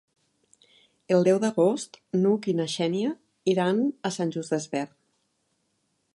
El deu d'agost n'Hug i na Xènia iran a Sant Just Desvern.